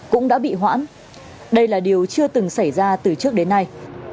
cũng đã bị hoãn đây là điều chưa từng xảy ra từ trước đến nay